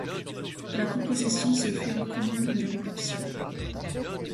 La composition se fait en commun lors des répétitions.